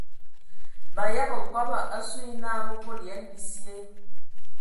Mayəgə nkɔbɔ asu yi nə mə volo yen bisye.